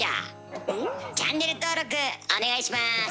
チャンネル登録お願いします。